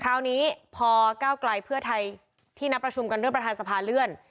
คราวนี้พอก้าวไกลเพื่อไทยที่นัดประชุมกันเรื่องประธานสภาเลื่อน